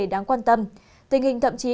đáng quan tâm tình hình thậm chí